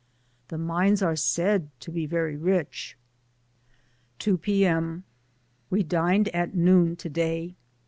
The mines are said to be very rich. 2 p. M. — We dined at noon to day.